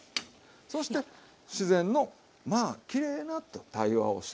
そして自然のまあきれいなと対話をしていうことですわ。